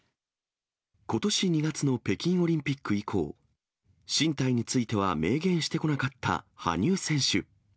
ことし２月の北京オリンピック以降、進退については明言してこなかった羽生選手。